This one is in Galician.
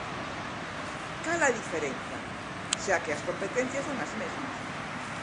¿Cal é a diferenza, xa que as competencias son as mesmas?